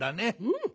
うん。